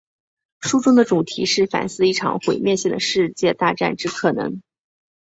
书中的主题是反思一场毁灭性的世界大战之可能。